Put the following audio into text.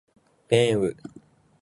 便于阅读